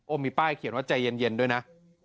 มีป้ายเขียนว่าใจเย็นด้วยนะ